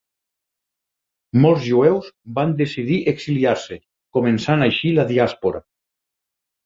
Molts jueus van decidir exiliar-se, començant així la diàspora.